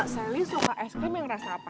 sally sama es krim yang rasa apa